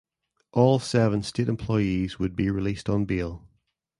All seven state employees would be released on bail.